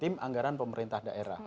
tim anggaran pemerintah daerah